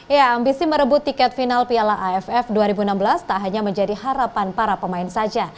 ya ambisi merebut tiket final piala aff dua ribu enam belas tak hanya menjadi harapan para pemain saja